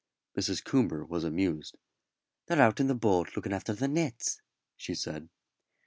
Mrs. Coomber was amused. "They're out in the boat looking after the nets," she said.